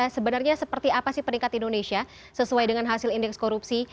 sebenarnya seperti apa sih peringkat indonesia sesuai dengan hasil indeks korupsi